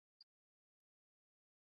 同治十年六月补授内大臣。